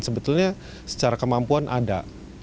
sebetulnya secara kemampuan ada